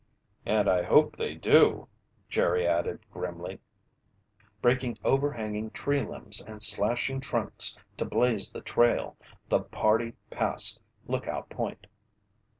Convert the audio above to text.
"And hope they do," Jerry added grimly. Breaking overhanging tree limbs, and slashing trunks to blaze the trail, the party passed Lookout Point.